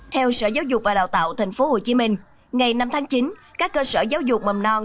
theo sở giáo dục và đào tạo tp hcm ngày năm tháng chín các cơ sở giáo dục mầm non